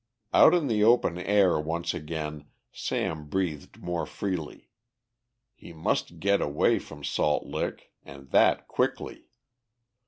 Out in the open air once again Sam breathed more freely. He must get away from Salt Lick, and that quickly.